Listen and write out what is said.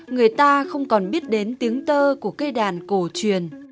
người ta không còn biết đến tiếng tơ của cây đàn cổ truyền